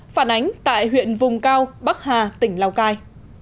phản ánh tại huyện vùng cao bắc hà tỉnh lào cai